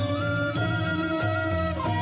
โอ้โหโอ้โหโอ้โห